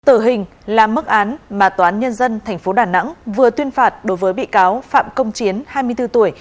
tờ hình là mức án mà toán nhân dân tp đà nẵng vừa tuyên phạt đối với bị cáo phạm công chiến hai mươi bốn tuổi